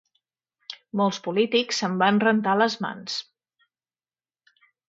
Molts polítics se'n van rentar les mans.